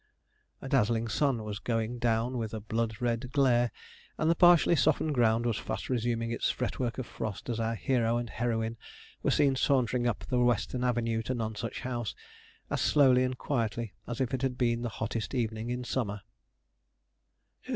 A dazzling sun was going down with a blood red glare, and the partially softened ground was fast resuming its fretwork of frost, as our hero and heroine were seen sauntering up the western avenue to Nonsuch House, as slowly and quietly as if it had been the hottest evening in summer.